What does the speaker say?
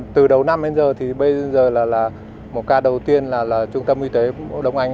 từ đầu năm đến giờ thì bây giờ là một ca đầu tiên là trung tâm y tế đông anh